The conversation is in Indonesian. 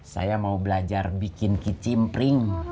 saya mau belajar bikin kicimpring